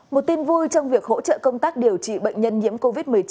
một tin vui trong việc hỗ trợ công tác điều trị bệnh nhân nhiễm covid một mươi chín